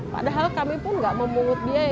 padahal kami pun nggak memungut biaya